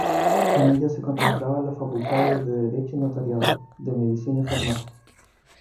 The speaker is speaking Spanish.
En ella se contemplaban las facultades de Derecho y Notariado, de Medicina y Farmacia.